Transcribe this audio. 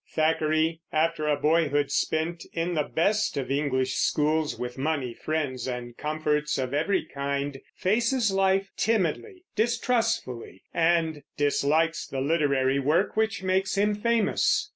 Thackeray, after a boyhood spent in the best of English schools, with money, friends, and comforts of every kind, faces life timidly, distrustfully, and dislikes the literary work which makes him famous.